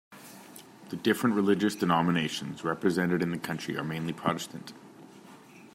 The different religious denominations represented in the county are mainly Protestant.